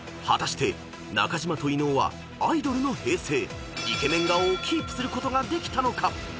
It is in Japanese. ［果たして中島と伊野尾はアイドルの平静イケメン顔をキープすることができたのか］